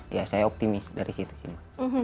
ya saya optimis dari situ sih mbak